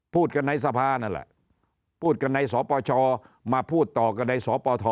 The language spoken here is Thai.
พูดกันในสภานั่นแหละพูดกันในสปชมาพูดต่อกันในสปท